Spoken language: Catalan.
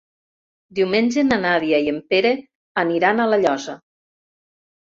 Diumenge na Nàdia i en Pere aniran a La Llosa.